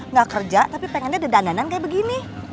gak kerja tapi pengennya ada dandanan kayak begini